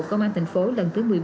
công an tình phố lần thứ một mươi bốn